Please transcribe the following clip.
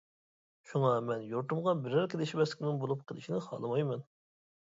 شۇڭا، مەن يۇرتۇمغا بېرەر كېلىشمەسلىكنىڭ بولۇپ قېلىشىنى خالىمايمەن.